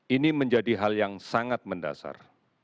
ini menjadi hal yang sangat mendasar